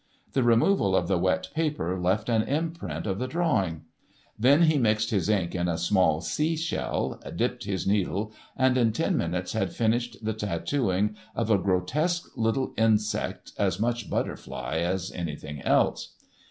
The removal of the wet paper left an imprint of the drawing. Then he mixed his ink in a small sea shell, dipped his needle, and in ten minutes had finished the tattooing of a grotesque little insect, as much butterfly as anything else.